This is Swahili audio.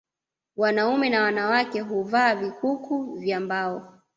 Wanaume na wanawake huvaa vikuku vya mbao